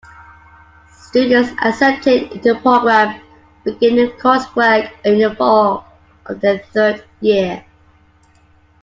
Students accepted into the program begin coursework in the fall of their third year.